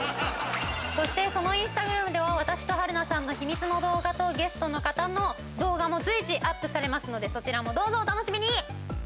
そしてそのインスタグラムでは私と春菜さんの秘密の動画とゲストの方の動画も随時アップされますのでそちらもどうぞお楽しみに！